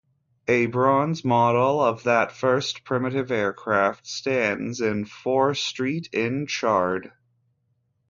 A bronze model of that first primitive aircraft stands in Fore Street in Chard.